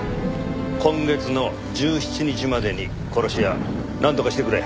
今月の１７日までに殺し屋なんとかしてくれ。